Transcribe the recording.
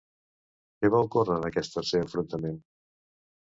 Què va ocórrer en aquest tercer enfrontament?